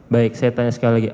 baik saya tanya sekali lagi